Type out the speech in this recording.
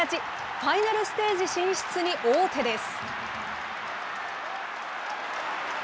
ファイナルステージ進出に王手です。